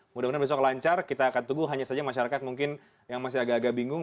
mudah mudahan besok lancar kita akan tunggu hanya saja masyarakat mungkin yang masih agak agak bingung